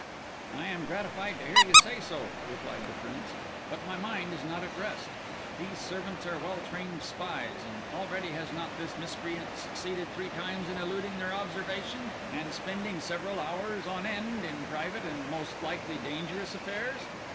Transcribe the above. "I am gratified to hear you say so," replied the Prince; "but my mind is not at rest. These servants are well trained spies, and already has not this miscreant succeeded three times in eluding their observation and spending several hours on end in private, and most likely dangerous, affairs?